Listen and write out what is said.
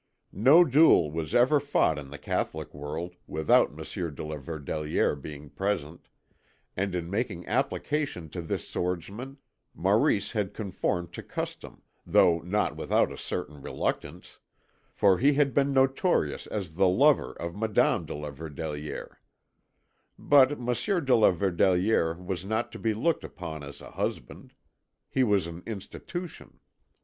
No duel was ever fought in the Catholic world without Monsieur de la Verdelière being present; and, in making application to this swordsman, Maurice had conformed to custom, though not without a certain reluctance, for he had been notorious as the lover of Madame de la Verdelière; but Monsieur de la Verdelière was not to be looked upon as a husband. He was an institution.